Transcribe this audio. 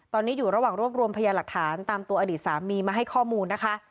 ตอนนี้อยู่ระหว่างรวบรวมพยาหลักฐานตามตัวอดีตสามีมาให้ข้อมูลนะคะ